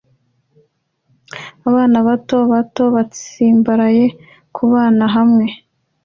Abana bato bato batsimbaraye kubana hamwe